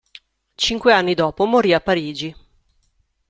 Cinque anni dopo morì a Parigi.